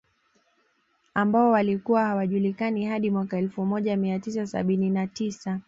Ambao walikuwa hawajulikani hadi mwaka Elfu moja mia tisa sabini na tisa